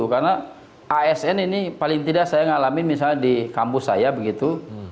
karena asn ini paling tidak saya ngalamin misalnya di kampus saya begitu